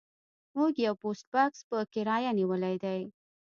موږ یو پوسټ بکس په کرایه نیولی دی